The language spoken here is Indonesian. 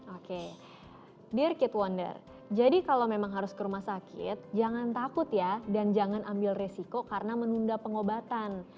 oke dear kit wonder jadi kalau memang harus ke rumah sakit jangan takut ya dan jangan ambil resiko karena menunda pengobatan